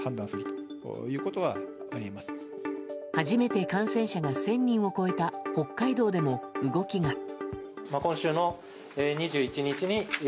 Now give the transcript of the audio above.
初めて感染者が１０００人を超えた北海道でも動きが。